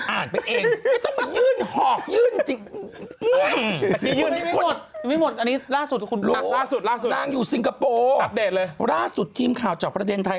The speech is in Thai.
อ่านไปเองยื่นหอคยื่นเลยล่าสุดประเทศอัพเดทดินค่าส่องประเด็นไทย